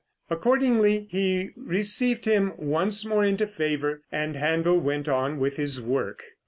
Accordingly he received him once more into favor, and Händel went on with his work.